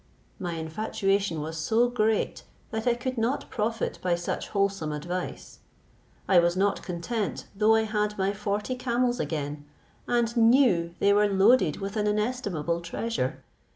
My infatuation was so great that I could not profit by such wholesome advice. I was not content, though I had my forty camels again, and knew they were loaded with an inestimable treasure.